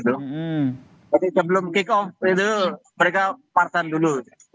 sebelum kick off itu mereka parsan dulu